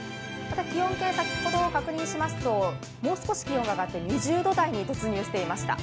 気温計、先ほど確認しますともう少し気温が上がって２０度台に突入していました。